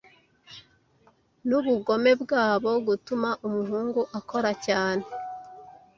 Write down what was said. Nubugome bwabo gutuma umuhungu akora cyane.